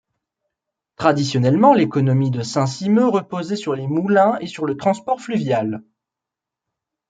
Traditionnellement l'économie de Saint-Simeux reposait sur les moulins et sur le transport fluvial.